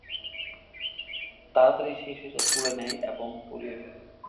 তাড়াতাড়ি সে সেটা তুলে নেয় ও পুড়িয়ে ফেলে।